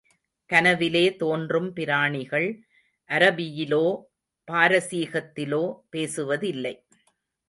கனவிலே தோன்றும் பிராணிகள், அரபியிலோ, பாரசீகத்திலோ பேசுவதில்லை.